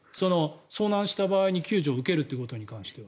遭難した場合に救助を受けるっていうことに関しては。